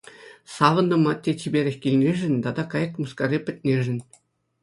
Савӑнтӑм атте чиперех килнишӗн тата кайӑк мыскари пӗтнишӗн.